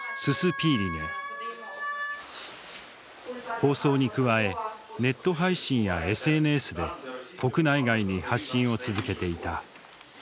放送に加えネット配信やＳＮＳで国内外に発信を続けていた。